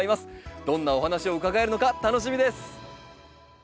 どんなお話を伺えるのか楽しみです！